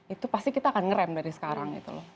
itu pasti kita akan ngerem dari sekarang